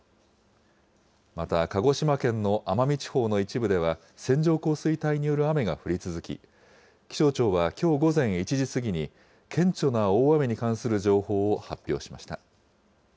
また鹿児島県の奄美地方の一部では、線状降水帯による雨が降り続き、気象庁はきょう午前１時過ぎに、顕著な大雨に関する情報を発表しました。